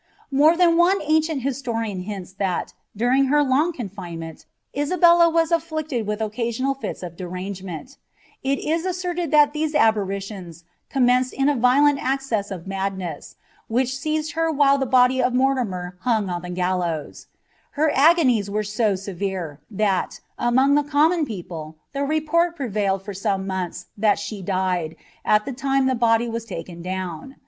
More than one ancient historian hints that, during her loog ooulo* inrnt, Isabella was afflicted with occasional Gts of derang>;aienL' ba asserted that these aberrations commenced in a violent acceea of mmt" oeas, which seized her while the body of Mortimer hung on ihc gdlovt Iler agonies were so severe, that, among the common people, the lyW prevaded for some months that she died, at the lime the body wm tikta down.